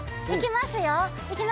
いきますよ。